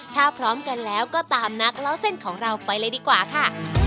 ถ้าพร้อมกันแล้วก็ตามนักเล่าเส้นของเราไปเลยดีกว่าค่ะ